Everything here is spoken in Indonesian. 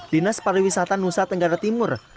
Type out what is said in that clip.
dinas pariwisata nusa tenggara timur